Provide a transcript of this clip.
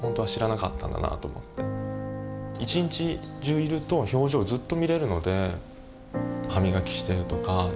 一日中いると表情をずっと見れるので歯磨きしてるとか「できたよ